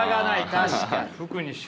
確かに。